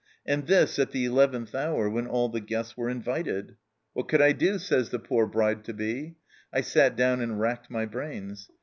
And this at the eleventh hour, when all the guests were invited !" What could I do ?" says the poor bride to be. "I sat down and racked my brains.